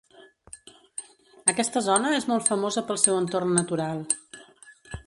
Aquesta zona és molt famosa pel seu entorn natural.